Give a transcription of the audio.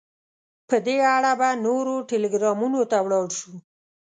په دې اړه به نورو ټلګرامونو ته ولاړ شو.